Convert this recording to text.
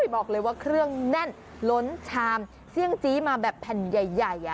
บอกเลยว่าเครื่องแน่นล้นชามเซี่ยงจี้มาแบบแผ่นใหญ่